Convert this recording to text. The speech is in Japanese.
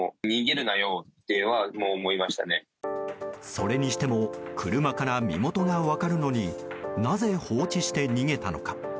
それにしても車から身元が分かるのになぜ、放置して逃げたのか。